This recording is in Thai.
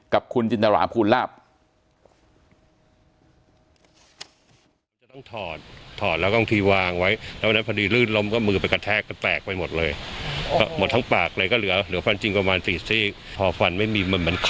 กับคุณจินตราคุณลับ